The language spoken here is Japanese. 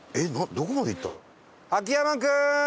どこまで行ったの？